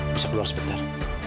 masuk ke luar sebentar